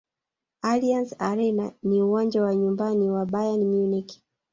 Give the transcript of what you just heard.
allianz arena ni uwanja wa nyumbani wa bayern munich